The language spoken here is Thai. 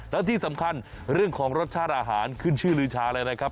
แล้วที่สำคัญเรื่องของรสชาติอาหารขึ้นชื่อลือชาเลยนะครับ